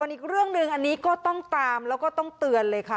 อีกเรื่องหนึ่งอันนี้ก็ต้องตามแล้วก็ต้องเตือนเลยค่ะ